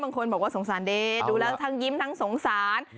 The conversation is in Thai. บางคนบอกว่าสงสารเดย์ดูแล้วทั้งยิ้มทั้งสงสาร